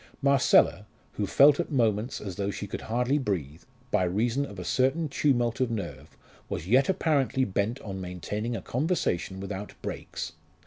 Marcella, who felt at moments as though she could hardly breathe, by reason of a certain tumult of nerve, was yet apparently bent on maintaining a conversation without breaks.